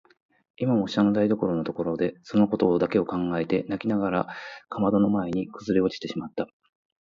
今も下の台所でそのことを考えただけで泣きながらかまどの前にくずおれてしまった。